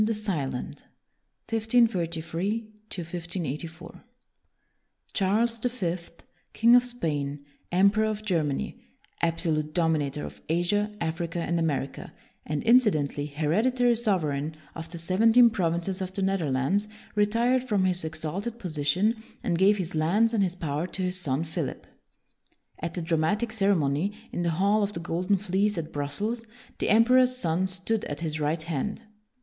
WILLIAM THE SILENT 1533 1584 CHARLES THE FIFTH, King of Spain, Emperor of Germany, " Absolute Domi nator ' of Asia, Africa, and America, and (incidentally) hereditary sovereign of the seventeen provinces of the Netherlands, retired from his exalted position and gave his lands and his power to his son Philip. At the dramatic ceremony, in the Hall of the Golden Fleece at Brussels, the em peror's son stood at his right hand.